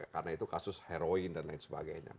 karena itu kasus heroin dan lain sebagainya